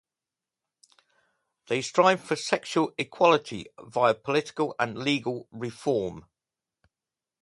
They strive for sexual equality via political and legal reform.